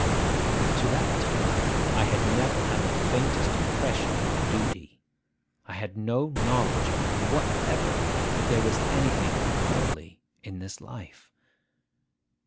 To that time I had never had the faintest impression of duty. I had had no knowledge whatever that there was anything lovely in this life.